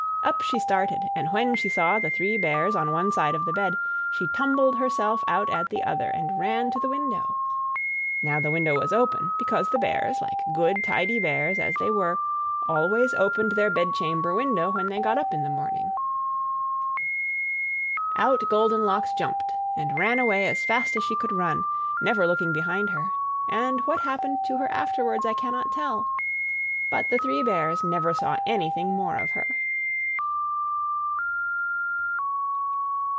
Up she started; and when she saw the Three Bears on one side of the bed she tumbled herself out at the other, and ran to the window. Now the window was open, because the Bears, like good, tidy Bears, as they were, always opened their bedchamber window when they got up in the morning. Out Goldenlocks jumped, and ran away as fast as she could run never looking behind her; and what happened to her afterwards I cannot tell. But the Three Bears never saw anything more of her.